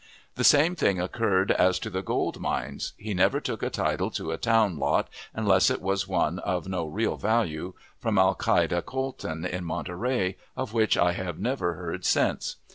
The same thing occurred as to the gold mines. He never took a title to a town lot, unless it was one, of no real value, from Alcalde Colton, in Monterey, of which I have never heard since.